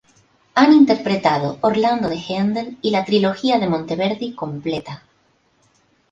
Han interpretado Orlando de Haendel y la trilogía de Monteverdi completa.